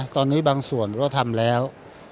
ตอนนี้บางส่วนก็ทำแล้ว